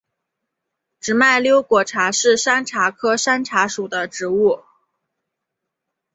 直脉瘤果茶是山茶科山茶属的植物。